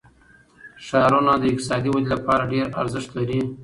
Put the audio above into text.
ښارونه د اقتصادي ودې لپاره ډېر ارزښت لري.